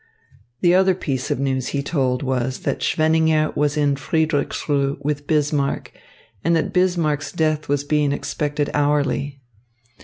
The other piece of news he told was that Schweninger was in Friedrichsruh with Bismarck and that Bismarck's death was being expected hourly.